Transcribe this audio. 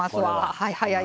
はいはい。